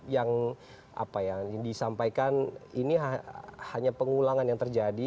yang disampaikan ini hanya pengulangan yang terjadi